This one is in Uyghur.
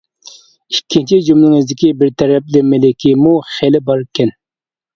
ئىككىنچى جۈملىڭىزدىكى بىر تەرەپلىمىلىكمۇ خېلى باركەن.